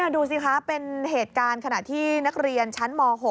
ดูสิคะเป็นเหตุการณ์ขณะที่นักเรียนชั้นม๖